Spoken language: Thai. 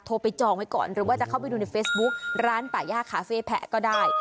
ไปจองไว้ก่อนหรือว่าจะเข้าไปดูในเฟซบุ๊กร้านป่าย่าคาเฟ่แพะก็ได้